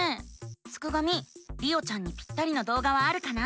すくがミりおちゃんにぴったりな動画はあるかな？